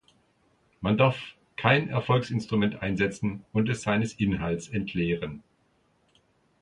Man darf kein Erfolgsinstrument einsetzen und es seines Inhalts entleeren.